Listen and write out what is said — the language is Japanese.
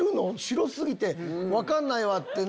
白過ぎて分かんないわ！って。